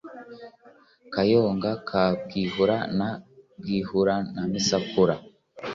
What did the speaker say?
Kayonga ka Bwihura na Bwihuramisakura